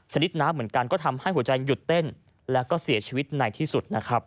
นิดน้ำเหมือนกันก็ทำให้หัวใจหยุดเต้นแล้วก็เสียชีวิตในที่สุดนะครับ